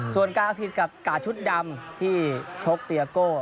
ส่วนการผิดกับกาดชุดดำที่ชกเตียโก้